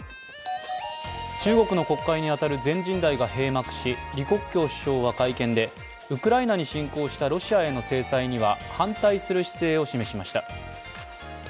中国の国会に当たる全人代が閉幕し李克強首相は記者会見でウクライナに侵攻したロシアへの制裁には反対する姿勢を示しました。